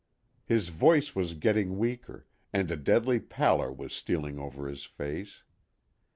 His voice was getting weaker, and a deadly pallor was stealing over his face.